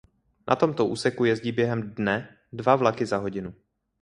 Na tomto úseku jezdí během dne dva vlaky za hodinu.